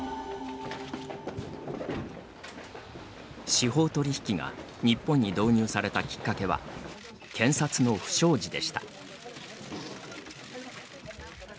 司法取引が日本に導入されたきっかけは、検察の不祥事でした。